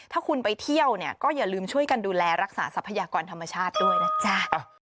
ถ้าคุณไปเที่ยวเนี่ยก็อย่าลืมช่วยกันดูแลรักษาทรัพยากรธรรมชาติด้วยนะจ๊ะ